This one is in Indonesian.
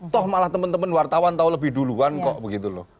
toh malah teman teman wartawan tahu lebih duluan kok begitu loh